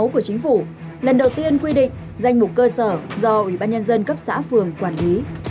một trăm ba mươi sáu của chính phủ lần đầu tiên quy định danh mục cơ sở do ủy ban nhân dân cấp xã phường quản lý